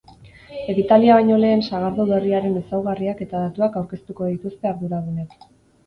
Ekitaldia baino lehen sagardo berriaren ezaugarriak eta datuak aurkeztuko dituzte arduradunek.